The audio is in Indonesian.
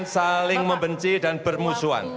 saling membenci dan bermusuhan